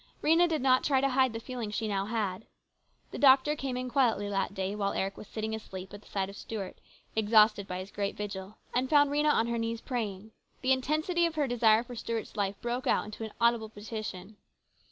Rhena did not try to hide the feeling she now had. The doctor came in quietly that day while Eric was sitting asleep at the side of Stuart, exhausted by his great vigil, and found Rhena on her knees praying. The intensity of her desire for Stuart's life broke out into an audible petition.